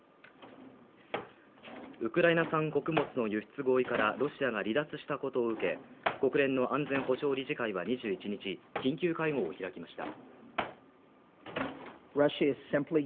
ウクライナ産穀物の輸出合意からロシアが離脱したことを受け、国連の安全保障理事会は２１日、緊急会合を開きました。